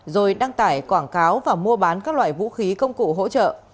rồi đăng tải quảng cáo và mua bán các loại vũ khí công cụ hỗ trợ